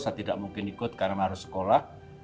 saya tidak mungkin ikut karena harus sekolah